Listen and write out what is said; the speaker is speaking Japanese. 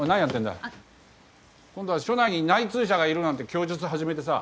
今度は「署内に内通者がいる」なんて供述始めてさ。